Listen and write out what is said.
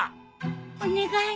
お願い。